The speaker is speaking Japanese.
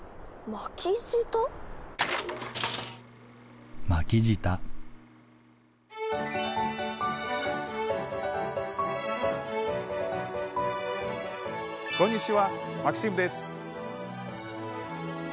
巻き舌？こんにちはマキシムです。